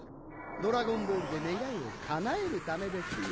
ドラゴンボールで願いをかなえるためですよ。